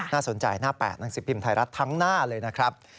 น่าสนใจหน้า๘หนังสือพิมพ์ไทยรัฐทั้งหน้าเลยนะครับ